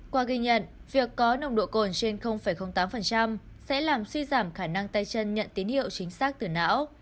qua ghi nhận việc có nồng độ cồn trên tám sẽ làm suy giảm khả năng tay chân nhận tín hiệu chính xác từ não